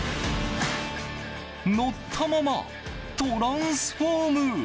乗ったままトランスフォーム！